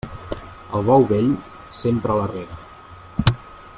El bou vell, sempre a la rega.